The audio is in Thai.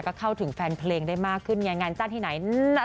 ก็เข้าถึงแฟนเพลงได้มากขึ้นไงงานจ้างที่ไหน